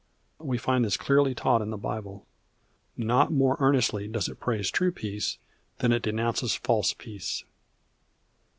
We find this clearly taught in the Bible. Not more earnestly does it praise true peace than it denounces false peace.